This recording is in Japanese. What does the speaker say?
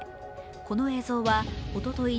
この映像はおととい